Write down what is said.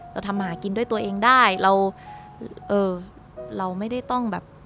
เราทำหากินด้วยตัวเองได้เราเออเราไม่ได้ต้องแบบ